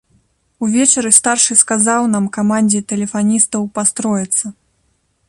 Увечары старшы сказаў нам, камандзе тэлефаністаў, пастроіцца.